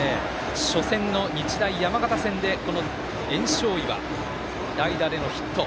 初戦の日大山形戦で焔硝岩代打でのヒット。